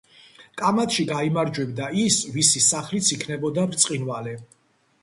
კამათში გაიმარჯვებდა ის ვისი სახლიც იქნებოდა ბრწყინვალე.